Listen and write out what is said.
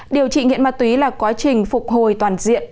điều trị nghiện ma túy là quá trình phục hồi toàn diện